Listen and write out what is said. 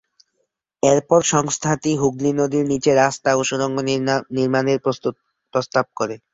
এর পর সংস্থাটি হুগলি নদীর নিচে রাস্তা ও সুড়ঙ্গ নির্মাণের প্রস্তাব করে।